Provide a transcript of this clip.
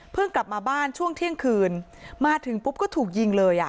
กลับมาบ้านช่วงเที่ยงคืนมาถึงปุ๊บก็ถูกยิงเลยอ่ะ